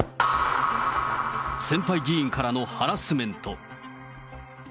先輩議員からのハラスメント。